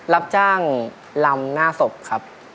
รับจ้างลำหน้าศพครับ